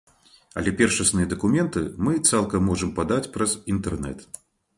Але першасныя дакументы мы цалкам можам падаць праз інтэрнэт.